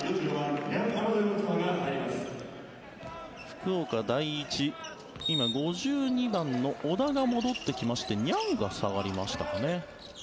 福岡第一、今、５２番の小田が戻ってきましてニャンが下がりましたかね。